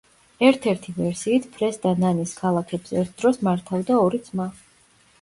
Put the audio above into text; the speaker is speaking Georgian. ერთ-ერთი ვერსიით, ფრეს და ნანის ქალაქებს ერთდროს მართავდა ორი ძმა.